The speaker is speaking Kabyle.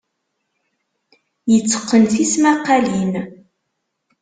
Yetteqqen tismaqqalin.